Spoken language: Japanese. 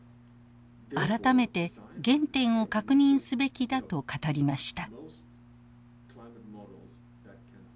改めて原点を確認すべきだと語りました。